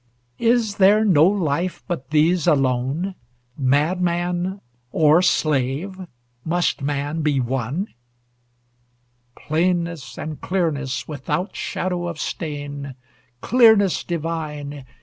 Is there no life, but these alone? Madman or slave, must man be one? Plainness and clearness without shadow of stain! Clearness divine!